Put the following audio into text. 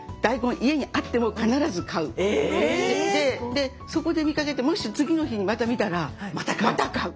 でそこで見かけてもし次の日にまた見たらまた買う。